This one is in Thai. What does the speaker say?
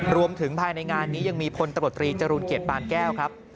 รวมถึงภายในงานนี้ยังมีพลตบตรีจรูนเกียจปานแก้วครับ